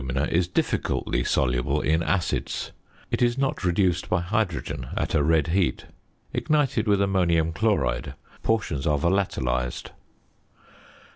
Ignited alumina is difficultly soluble in acids; it is not reduced by hydrogen at a red heat. Ignited with ammonium chloride portions are volatilised.